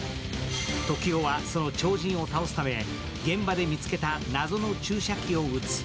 トキオはその超人を倒すため、現場で見つけた謎の注射器を打つ。